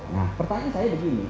nah pertanyaan saya begini